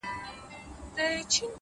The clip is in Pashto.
• چي ککړي به یې سر کړلې په غرو کي ,